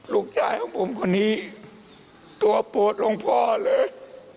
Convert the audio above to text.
ลูกชายของผมคนนี้ตัวโปรดลงพ่อเลย